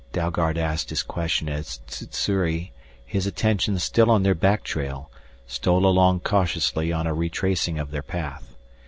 Dalgard asked his question as Sssuri, his attention still on their back trail, stole along cautiously on a retracing of their path.